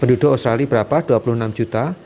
penduduk australia berapa dua puluh enam juta